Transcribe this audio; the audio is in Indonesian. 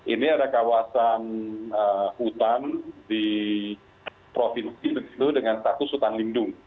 ini ada kawasan hutan di provinsi begitu dengan status hutan lindung